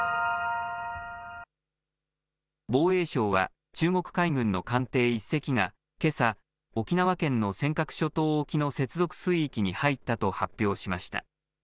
防衛省は、中国海軍の艦艇１隻がけさ、沖縄県の尖閣諸島沖の接続水域に入ったと発表しました。